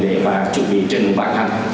để chuẩn bị trình bàn hành